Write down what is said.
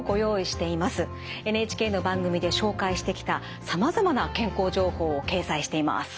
ＮＨＫの番組で紹介してきたさまざまな健康情報を掲載しています。